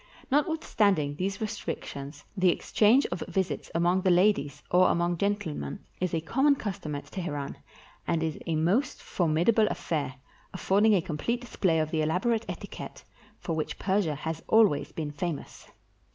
Notwithstanding these restrictions, the exchange of visits among the ladies, or among gentle men, is a common custom at Teheran, and is a most for midable affair, affording a complete display of the elab orate etiquette for which Persia has always been famous.